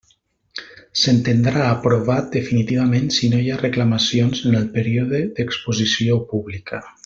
S'entendrà aprovat definitivament si no hi ha reclamacions en el període d'exposició pública.